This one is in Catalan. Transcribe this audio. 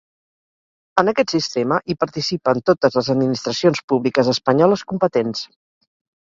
En aquest sistema hi participen totes les administracions públiques espanyoles competents.